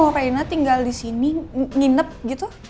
kau mau reina tinggal di sini nginep gitu